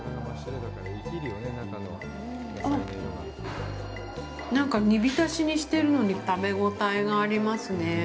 あっ、なんか、煮浸しにしてるのに食べ応えがありますねぇ。